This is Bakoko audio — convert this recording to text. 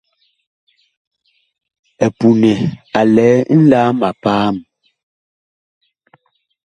EPUNƐ a lɛ nlaam a paam.